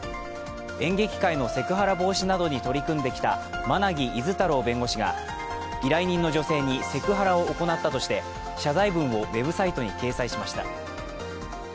演劇界のセクハラ防止などに取り組んできた馬奈木厳太郎弁護士が依頼人の女性にセクハラを行ったとして謝罪文をウェブサイトに掲載しました。